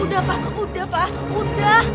udah pa udah pa udah